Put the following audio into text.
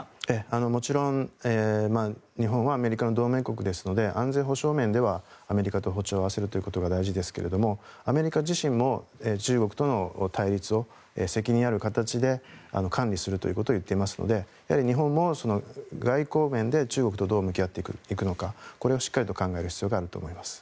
もちろん日本はアメリカの同盟国ですので安全保障面ではアメリカと歩調を合わせることが大事ですけれどもアメリカ自身も中国との対立を責任ある形で管理するということを言っていますので日本も外交面で中国とどう向き合っていくのかこれをしっかりと考える必要があると思います。